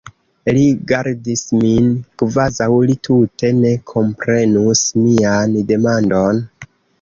Li rigardis min, kvazaŭ li tute ne komprenus mian demandon.